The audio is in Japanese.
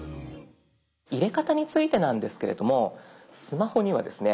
入れ方についてなんですけれどもスマホにはですね